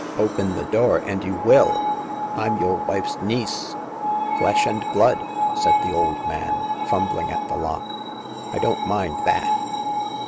Open the door, and you will. Fm your wife's niece." '* Flesh and blood !" said the old man, fum bling at the lock— I don't mind that."